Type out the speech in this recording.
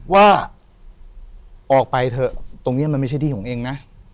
ว่าออกไปเถอะตรงนี้มันไม่ใช่ที่ของเองนะ